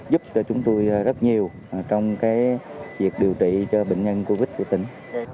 giúp cho chúng tôi rất nhiều trong việc điều trị cho bệnh nhân covid của tỉnh